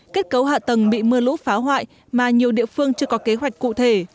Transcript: kết cấu hạ tầng bị mưa lũ phá hoại mà nhiều địa phương chưa có kế hoạch cụ thể